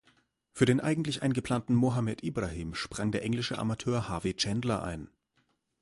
Für den eigentlich eingeplanten Mohamed Ibrahim sprang der englische Amateur Harvey Chandler ein.